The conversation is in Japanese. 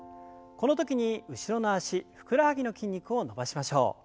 この時に後ろの脚ふくらはぎの筋肉を伸ばしましょう。